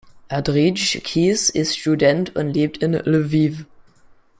Andrij Kis ist Student und lebt in Lwiw.